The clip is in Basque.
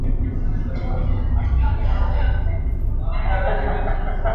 Kasu hauetan neurketak etxean egin beharko ditu gaixoak, hainbat aldiz egunean.